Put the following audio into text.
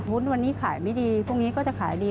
วันนี้ขายไม่ดีพรุ่งนี้ก็จะขายดี